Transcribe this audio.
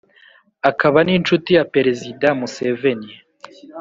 akaba n'incuti ya perezida museveni.